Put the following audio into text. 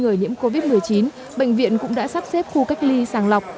người nhiễm covid một mươi chín bệnh viện cũng đã sắp xếp khu cách ly sàng lọc